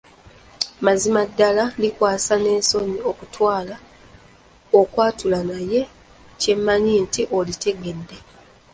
Mazima ddala likwasa n'ensonyi okwatula naye kyemmanyi nti olitegedde.